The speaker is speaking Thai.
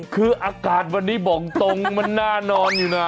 คืออากาศวันนี้บอกตรงมันน่านอนอยู่นะ